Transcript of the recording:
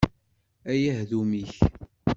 A yahdum-ik!